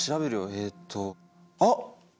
えっとあっ！